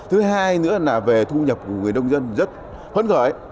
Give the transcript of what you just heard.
hai nữa là về thu nhập của người nông dân rất hấn khởi